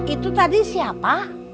itu tadi siapa